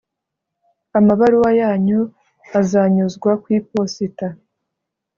Amabaruwa yanyu azanyuzwa mu iposita